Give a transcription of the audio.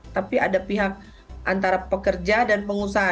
tapi ada pihak antara pekerja dan pengusaha